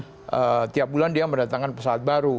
jadi setiap bulan dia mendatangkan pesawat baru